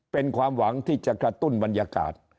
เป็นความหวังที่จะกระตุ้นบรรยากาศ